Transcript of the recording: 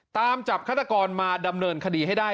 ตามจับฆาตกรมาดำเนินคดีให้ได้